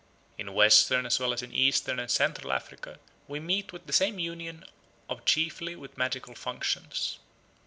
In Western as well as in Eastern and Central Africa we meet with the same union of chiefly with magical functions.